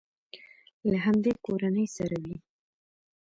له همدې کورنۍ سره وي.